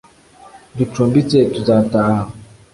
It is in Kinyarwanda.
Ducumbitse tuzataha